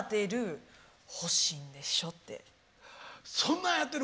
そんなんやってる？